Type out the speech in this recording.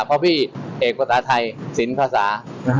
เพราะพี่เอกภาษาไทยสินภาษา